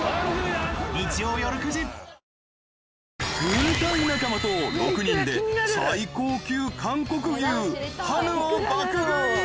［軍隊仲間と６人で最高級韓国牛韓牛を爆食い］